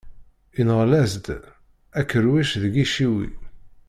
Inɣel-as-d, akerciw deg iciwi.